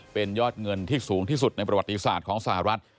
เป็นยอดเงินที่สูงที่สุดในประวัติศาสตร์ของสหรัฐ